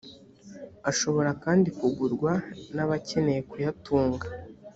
ashobora kandi kugurwa n abakeneye kuyatunga